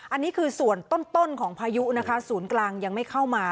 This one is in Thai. อันนี้คือส่วนต้นของพายุนะคะศูนย์กลางยังไม่เข้ามา